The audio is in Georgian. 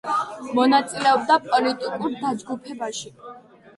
მონაწილეობდა პოლიტიკურ დაჯგუფებაში.